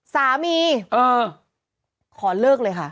สามีขอเลิกเลยค่ะ